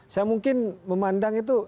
saya mungkin memandang itu